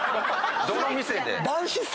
どの店で。